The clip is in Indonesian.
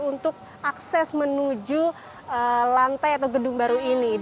untuk akses menuju lantai atau gedung baru ini